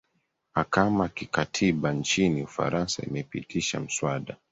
akama ya kikatiba nchini ufarasa imepitisha mswada